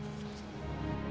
lagi banyak hal lain